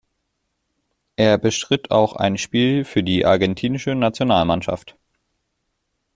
Er bestritt auch ein Spiel für die argentinische Nationalmannschaft.